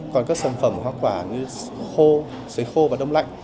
còn các sản phẩm hoa quả như khô xấy khô và đông lạnh